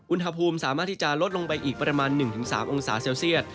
อุณหภูมิสามารถที่จะลดลงไปอีกประมาณ๑๓องศาเซลเซียต